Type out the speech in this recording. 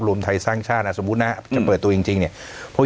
รวมไทยสร้างชาติอ่ะสมมุตินะจะเปิดตัวจริงเนี่ย